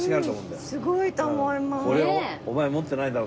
すごいと思います。